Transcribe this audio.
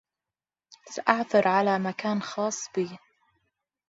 ساعثر علي مكان خاص بي